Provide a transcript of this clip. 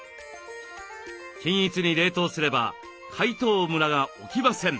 均一に冷凍すれば解凍ムラが起きません。